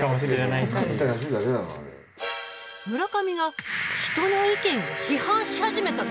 村上が人の意見を批判し始めたぞ。